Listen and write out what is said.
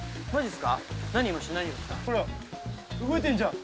ほら動いてんじゃん。